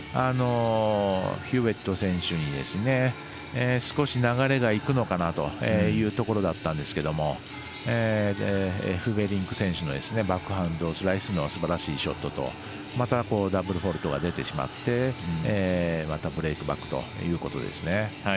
ヒューウェット選手に少し流れがいくのかなというところだったんですけれどもエフベリンク選手のバックハンド、スライスのすばらしいショットとまた、ダブルフォールトが出てしまってまたブレークバックということですね。